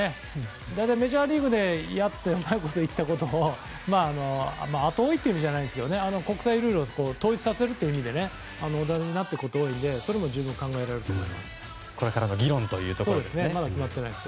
大体メジャーリーグでやってうまくいったことを後追いという意味じゃないですけど国際ルールを統一させるという意味で同じになっていくことが多いのでそれも十分考えられるかと思います。